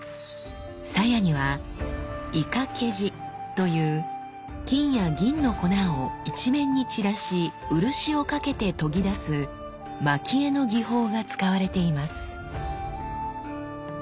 鞘には沃懸地という金や銀の粉を一面に散らし漆をかけて研ぎ出す蒔絵の技法が使われています。